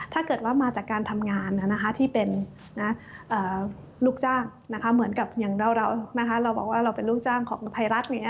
ถ้าเกิดว่ามาจากการทำงานที่เป็นลูกจ้างเหมือนกับอย่างเราบอกว่าเราเป็นลูกจ้างของไทยรัฐ